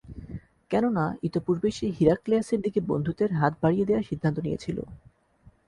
কেননা ইতোপূর্বেই সে হিরাক্লিয়াসের দিকে বন্ধুত্বের হাত বাড়িয়ে দেয়ার সিদ্ধান্ত নিয়েছিল।